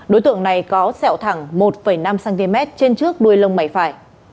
đối tượng này có sẹo thẳng một năm cm trên trước đuôi lông mày phải